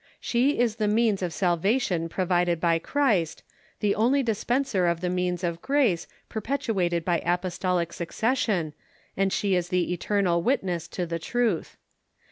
She is the means of salvation provided by Christ, the only dispenser of the means of grace, perpetuated by apostolic succession, and she is the eternal witness to the truth.